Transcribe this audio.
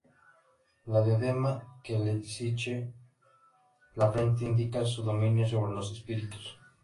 La diadema que le ciñe la frente indica su dominio sobre los espíritus.